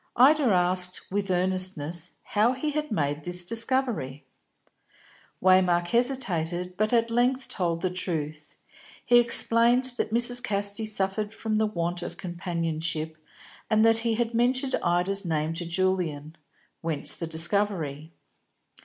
Ida asked, with earnestness, how he had made this discovery. Waymark hesitated, but at length told the truth. He explained that Mrs. Casti suffered from the want of companionship, and that he had mentioned Ida's name to Julian; whence the discovery.